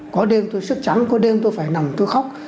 có đêm tôi sức trắng có đêm tôi phải nằm tôi khóc